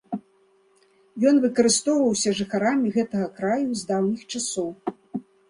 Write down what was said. Ён выкарыстоўваўся жыхарамі гэтага краю з даўніх часоў.